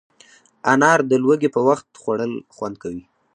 انار د لوږې پر وخت خوړل خوند کوي.